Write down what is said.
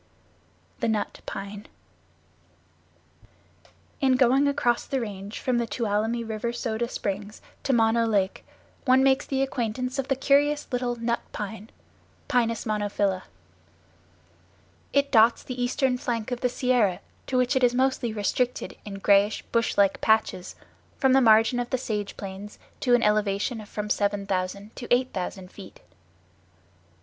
The Nut Pine In going across the Range from the Tuolumne River Soda Springs to Mono Lake one makes the acquaintance of the curious little Nut Pine (Pinus monophylla). It dots the eastern flank of the Sierra to which it is mostly restricted in grayish bush like patches, from the margin of the sage plains to an elevation of from 7000 to 8000 feet.